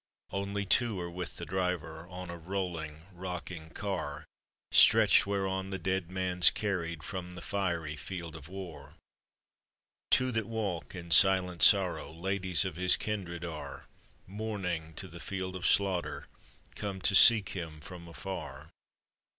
Only two are with the driver On a rolling, rocking car, Stretch'd whereon the dead man's carried From the fiery field of war. Two that walk in silent sorrow — Ladies of his kindred are — Mourning, to the field of slaughter Come to seek him from afar.